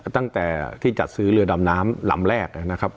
ตั้งแต่ที่จัดซื้อเรือดำน้ำลำแรกนะครับ